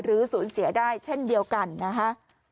สูญเสียได้เช่นเดียวกันนะคะ